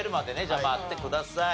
頑張ってください。